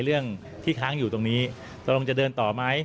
เรื่องที่ค้างอยู่ตรงนี้ตกลงจะเดินต่อไหม